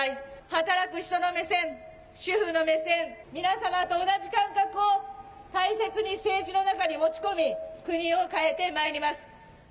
働く人の目線、主婦の目線、皆様と同じ感覚を大切に政治の中に持ち込み、国を変えてまいります。